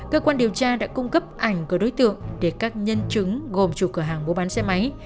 cơ quan điều tra đã cung cấp ảnh của đối tượng để các nhân chứng gồm chủ cửa hàng mua bán xe máy